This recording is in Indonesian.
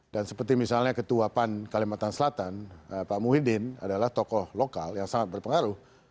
dan seperti misalnya ketua pan kalimantan selatan pak muhyiddin adalah tokoh lokal yang sangat berpengaruh